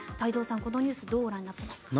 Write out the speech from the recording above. このニュースどうご覧になっていますか。